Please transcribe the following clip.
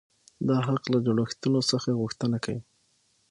دا حق له جوړښتونو څخه غوښتنه کوي.